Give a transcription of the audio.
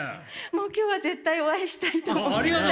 もう今日は絶対お会いしたいと思って来たんですけど。